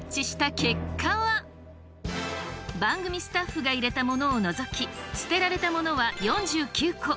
番組スタッフが入れたものを除き捨てられたものは４９個。